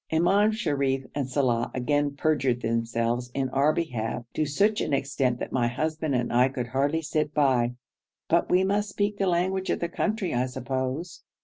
Imam Sharif and Saleh again perjured themselves in our behalf to such an extent that my husband and I could hardly sit by, but we must speak the language of the country, I suppose.